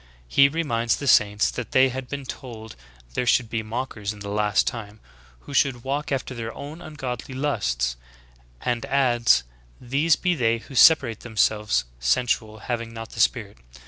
He reminds the saints that they had been told ''there should be mockers in the last time, who should walk after their own ungodly lusts;" and adds "These be they who separate themselves, sensual, haying not the Spirit."